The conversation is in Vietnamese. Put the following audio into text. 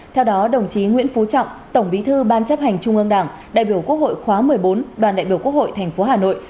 theo đó đồng chí nguyễn phú trọng tổng bí thư ban chấp hành trung ương đảng đại biểu quốc hội khóa một mươi bốn đoàn đại biểu quốc hội tp hà nội